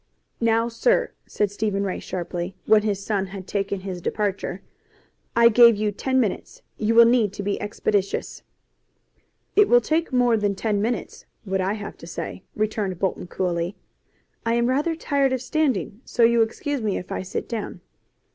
"Now, sir," said Stephen Ray sharply, when his son had taken his departure. "I gave you ten minutes. You will need to be expeditious." "It will take more than ten minutes what I have to say," returned Bolton coolly. "I am rather tired of standing, so you will excuse me if I sit down."